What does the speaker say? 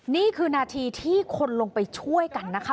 นี่คือนาทีที่คนลงไปช่วยกันนะคะ